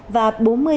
và bốn mươi thanh niên